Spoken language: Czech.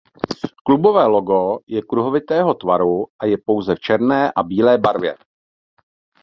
Klubové logo je kruhového tvaru a je pouze v černé a bílé barvě.